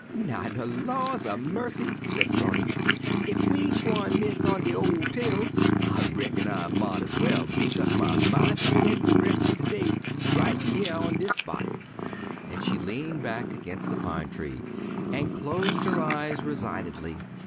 "Now de laws a mussy," said 'Phrony, "ef we gwine 'mence on de ol' tales I reckon I mought ez well mek up my min' ter spen' de res' er de day right yer on dis spot," and she leaned back against a pine tree and closed her eyes resignedly.